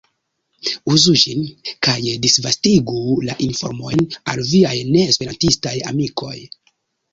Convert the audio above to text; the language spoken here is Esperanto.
Uzu ĝin kaj disvastigu la informojn al viaj ne-esperantistaj amikoj.